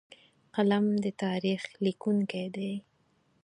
قلم د تاریخ لیکونکی دی